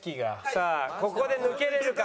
さあここで抜けれるか？